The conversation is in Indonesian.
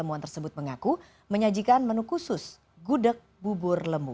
pertemuan tersebut mengaku menyajikan menu khusus gudeg bubur lemu